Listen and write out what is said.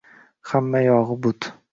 Hammma yog’i but.